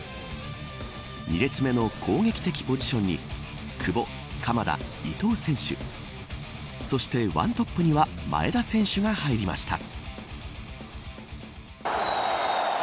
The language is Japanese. ２列目の攻撃的ポジションに久保、鎌田、伊東選手そして１トップには前田選手が入りました。